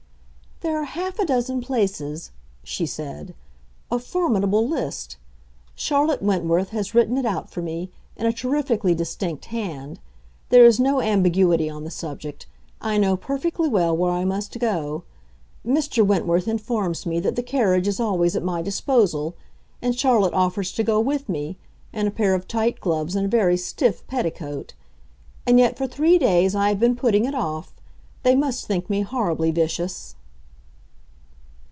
"There are half a dozen places," she said; "a formidable list. Charlotte Wentworth has written it out for me, in a terrifically distinct hand. There is no ambiguity on the subject; I know perfectly where I must go. Mr. Wentworth informs me that the carriage is always at my disposal, and Charlotte offers to go with me, in a pair of tight gloves and a very stiff petticoat. And yet for three days I have been putting it off. They must think me horribly vicious."